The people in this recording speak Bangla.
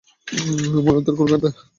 মনের দ্বার খুলে দেব, হাহ?